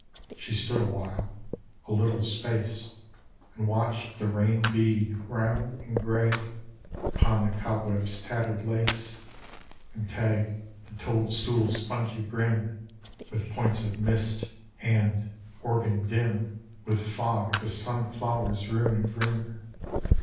She stood a while, a little space, And watched the rain bead, round and gray, Upon the cobweb's tattered lace, And tag the toadstool's spongy brim With points of mist; and, orbing, dim With fog the sunflower's ruined rim.